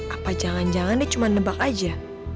apa jangan jangan dia cuma nebak aja